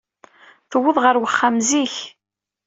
Tuweḍ ɣer wexxam zik.